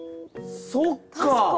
そっか！